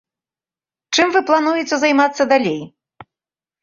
Чым вы плануеце займацца далей?